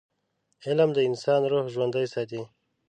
علم د انسان روح ژوندي ساتي.